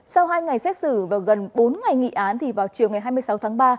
sau hai ngày xét xử và gần bốn ngày nghị án vào chiều hai mươi sáu tháng ba